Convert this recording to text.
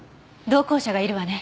同行者がいるわね。